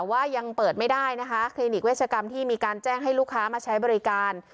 ว่ายังเปิดไม่ได้นะคะคลินิกเวชกรรมที่มีการแจ้งให้ลูกค้ามาใช้บริการ